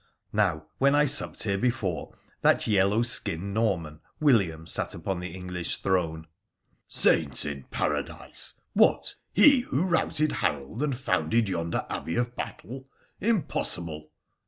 Now, when I supped here before that yellow skinned Norman William sat upon the English throne '' Saints in Paradise ! what, he who routed Harold, and founded yonder abbey of Battle — impossible